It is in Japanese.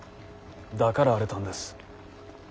だから荒れたんです。